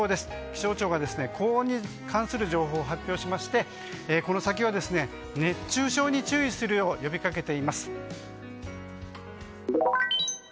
気象庁が高温に関する情報を発表しましてこの先は、熱中症に注意するよう呼びかけています。